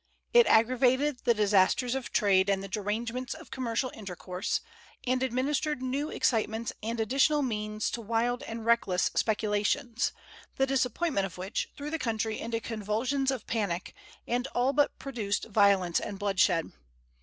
It aggravated the disasters of trade and the derangements of commercial intercourse, and administered new excitements and additional means to wild and reckless speculations, the disappointment of which threw the country into convulsions of panic, and all but produced violence and bloodshed.